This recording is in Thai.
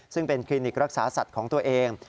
ซึ่งเป็นคลินิกรักษาสัตว์ของตัวเอง